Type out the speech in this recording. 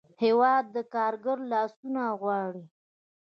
هېواد د کارګر لاسونه غواړي.